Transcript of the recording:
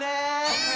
はい！